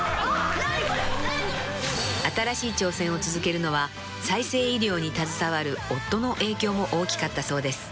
［新しい挑戦を続けるのは再生医療に携わる夫の影響も大きかったそうです］